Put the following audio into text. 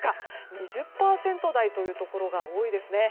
２０％台というところが多いですね。